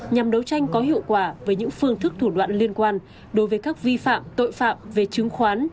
nhằm đấu tranh có hiệu quả với những phương thức thủ đoạn liên quan đối với các vi phạm tội phạm về chứng khoán